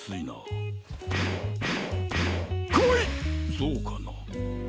そうかな？